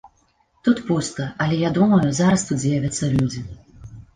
Тут пуста, але я думаю, зараз тут з'явяцца людзі.